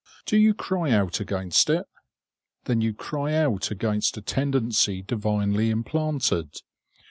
Do you cry out against it? Then you cry out against a tendency divinely implanted.